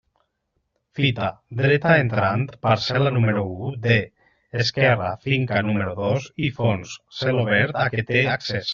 Fita: dreta entrant, parcel·la número u D; esquerra, finca número dos i fons, celobert a què té accés.